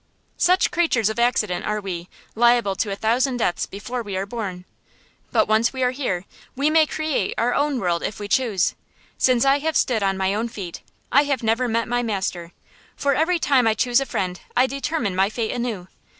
Such creatures of accident are we, liable to a thousand deaths before we are born. But once we are here, we may create our own world, if we choose. Since I have stood on my own feet, I have never met my master. For every time I choose a friend I determine my fate anew.